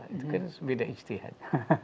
itu kan beda ijtihad